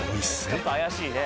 ちょっと怪しいね